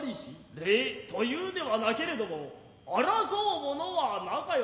礼と言うではなけれども争う物は中よりと。